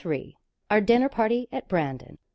OUR DINNER PARTY AT BRANDON.